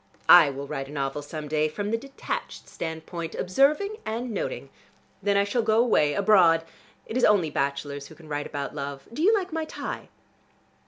I will write a novel some day, from the detached standpoint, observing and noting. Then I shall go away, abroad. It is only bachelors who can write about love. Do you like my tie?"